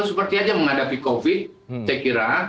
seperti itu saja menghadapi covid sembilan belas saya kira